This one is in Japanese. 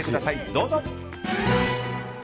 どうぞ。